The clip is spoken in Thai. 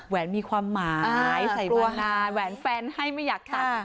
แวนมีความหมายใส่บัวนาแหวนแฟนให้ไม่อยากตัด